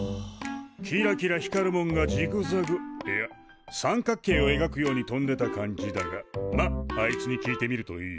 キラキラ光るもんがジグザグいや三角形をえがくように飛んでた感じだがまっあいつに聞いてみるといい。